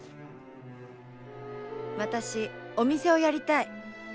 私お店をやりたい。